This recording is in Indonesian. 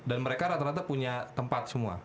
dan mereka rata rata punya tempat semua